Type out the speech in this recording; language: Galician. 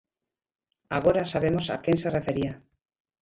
Agora sabemos a quen se refería.